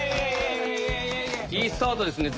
いいスタートですね。